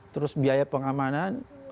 terus biaya pengamanan